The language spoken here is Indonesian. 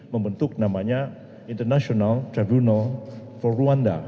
membentuk namanya international tribunal for rwanda